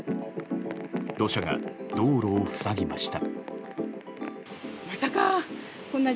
土砂が道路を塞ぎました。